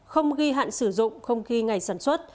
không ghi hạn sử dụng không ghi ngày sản xuất